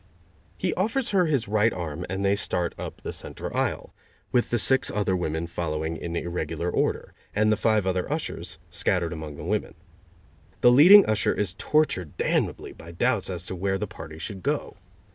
He offers her his right arm and they start up the center aisle, with the six other women following in irregular order, and the five other ushers scattered among the women. The leading usher is tortured damnably by doubts as to where the party should go.